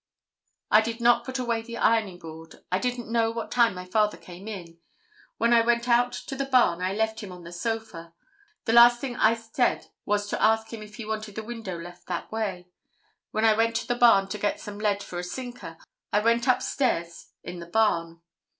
I did not put away the ironing board. I don't know what time my father came in. When I went out to the barn I left him on the sofa. The last thing I said was to ask him if he wanted the window left that way. Then I went to the barn to get some lead for a sinker. I went upstairs in the barn.